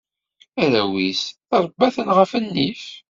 Arraw-is, trebba-ten ɣef nnif.